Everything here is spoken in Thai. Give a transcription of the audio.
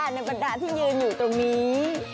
ในบรรดาที่ยืนอยู่ตรงนี้